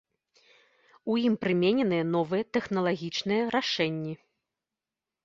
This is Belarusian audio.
У ім прымененыя новыя тэхналагічныя рашэнні.